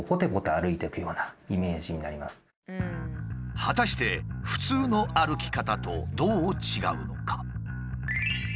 果たして普通の歩き方とどう違うのか？